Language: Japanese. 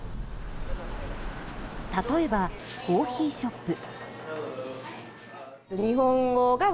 例えばコーヒーショップ。